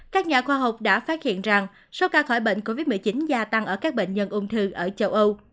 các nhà khoa học đã phát hiện rằng số ca khỏi bệnh covid một mươi chín gia tăng ở các bệnh nhân ung thư ở châu âu